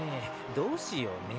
どうしようねえ。